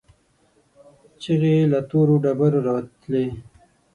چيغې له تورو ډبرو راتلې.